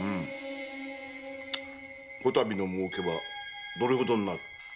こたびの儲けはどれほどになる？